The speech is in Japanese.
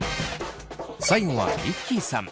最後はリッキーさん。